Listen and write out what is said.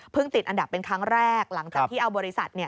ติดอันดับเป็นครั้งแรกหลังจากที่เอาบริษัท